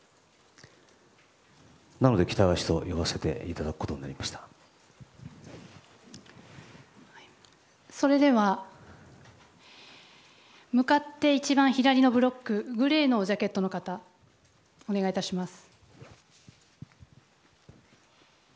なので喜多川氏と呼ばせていただくことになりました。それでは向かって一番左のブロックグレーのジャケットの方お願いいたします。